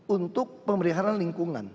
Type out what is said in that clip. untuk pemeriksaan lingkungan